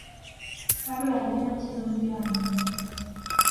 Karol alipenda kucheza mpira wa miguu